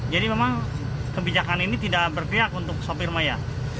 jadi memang kebijakan ini tidak berpihak untuk sopir maya